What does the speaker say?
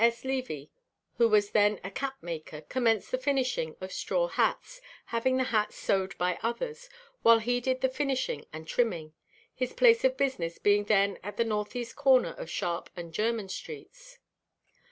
S. Levy, who was then a cap maker, commenced the finishing of straw hats, having the hats sewed by others, while he did the finishing and trimming, his place of business being then at the N. E. corner of Sharp and German streets.